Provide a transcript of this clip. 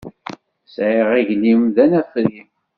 Sɛiɣ aglim d anafri.